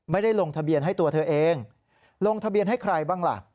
ลงทะเบียนให้ตัวเธอเองลงทะเบียนให้ใครบ้างล่ะ